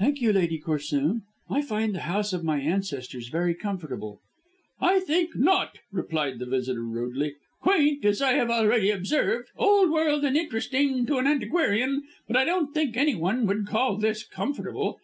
"Thank you, Lady Corsoon. I find the house of my ancestors very comfortable." "I think not," replied the visitor rudely. "Quaint, as I have already observed, old world and interesting to an antiquarian, but I don't think anyone could call this comfortable.